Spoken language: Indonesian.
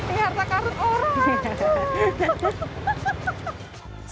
ih ratna karun orang